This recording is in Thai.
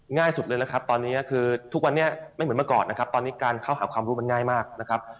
ง่ายสุดเลยนะครับตอนนี้คือทุกวันนี้ไม่เหมือนเมื่อก่อนนะครับตอนนี้การเข้าหาความรู้มันง่ายมากนะครับ